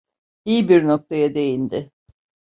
İyi bir noktaya değindi.